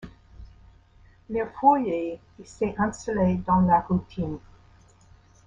Leur foyer s'est installé dans la routine.